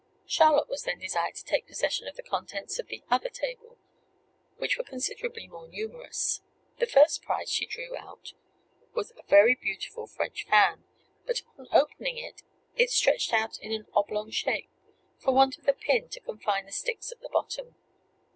Charlotte was then desired to take possession of the contents of the other table, which were considerably more numerous. The first prize she drew out was a very beautiful French fan; but upon opening it, it stretched out in an oblong shape, for want of the pin to confine the sticks at bottom.